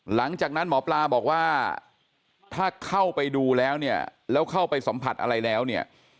หลังจากนั้นหมอปลาบอกว่าถ้าเข้าไปดูแล้วเนี่ยแล้วเข้าไปสัมผัสอะไรแล้วเนี่ย